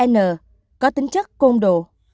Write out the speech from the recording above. n có tính chất công độ